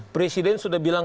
presiden sudah bilang